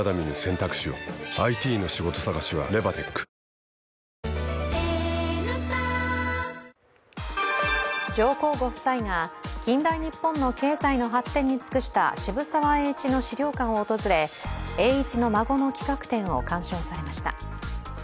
ニトリ上皇ご夫妻が近代日本の経済の発展に尽くした渋沢栄一の史料館を訪れ栄一の孫の企画展を鑑賞されました。